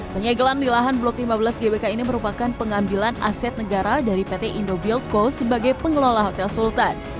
penyegelan di lahan blok lima belas gbk ini merupakan pengambilan aset negara dari pt indobuildco sebagai pengelola hotel sultan